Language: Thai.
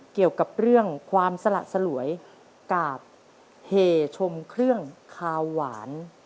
เกี่ยวกับเรื่องความสละสลวยกับเหชมเครื่องคาวหวาน